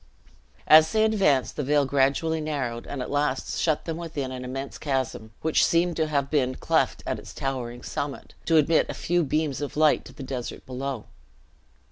As they advanced, the vale gradually narrowed, and at last shut them within an immense chasm, which seemed to have been cleft at its towering summit, to admit a few beams of light to the desert below.